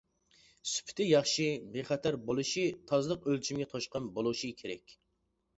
سۈپىتى ياخشى، بىخەتەر بولۇشى، تازىلىق ئۆلچىمىگە توشقان بولۇشى كېرەك.